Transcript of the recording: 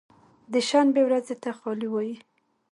د شنبې ورځې ته خالي وایی